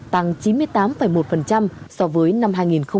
tăng chín mươi tám một so với năm hai nghìn một mươi bảy